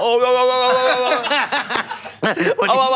โอ้วโหววโหวว